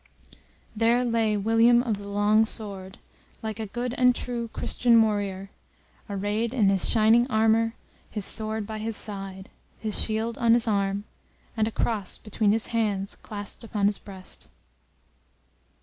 There lay William of the Long Sword, like a good and true Christian warrior, arrayed in his shining armour, his sword by his side, his shield on his arm, and a cross between his hands, clasped upon his breast.